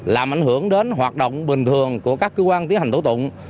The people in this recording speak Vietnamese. làm ảnh hưởng đến hoạt động bình thường của các cơ quan tiến hành tố tụng